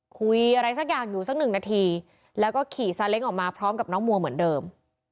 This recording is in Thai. คุยอะไรสักอย่างอยู่สักหนึ่งนาทีแล้วก็ขี่ซาเล้งออกมาพร้อมกับน้องมัวเหมือนเดิม